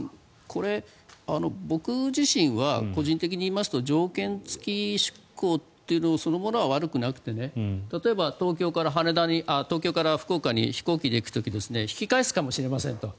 これ、僕自身は個人的に言いますと条件付き出港そのものは悪くなくて例えば東京から福岡に飛行機で行く時に引き返すかもしれませんと。